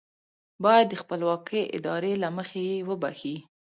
بايد د خپلواکې ارادې له مخې يې وبښي.